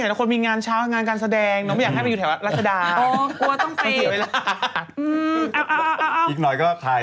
อ่ะฟ้องได้นะคะ